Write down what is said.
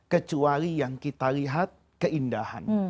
kecuali yang kita lihat keindahan